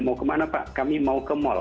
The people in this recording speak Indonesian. mau kemana pak kami mau ke mall